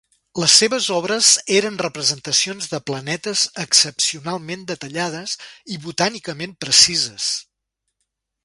Les seves obres eren representacions de plantes excepcionalment detallades i botànicament precises.